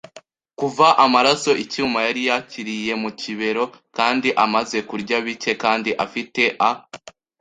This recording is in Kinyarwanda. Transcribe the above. kuva amaraso icyuma yari yakiriye mu kibero, kandi amaze kurya bike kandi afite a